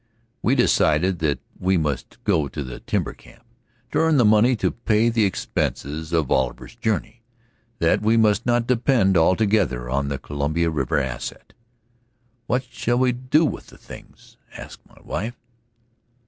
We decided that we must go to the timber camp to earn the money to pay the expenses of Oliver's journey, that we must not depend altogether on the Columbia River asset. "What shall we do with the things?" asked my wife.